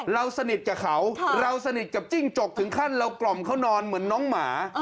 เราสนิทกับเขาเราสนิทกับจิ้งจกถึงขั้นเรากล่อมเขานอนเหมือนน้องหมา